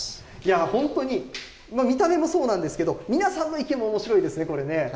本当に、見た目もそうなんですけど、皆さんの意見もおもしろいですね、これね。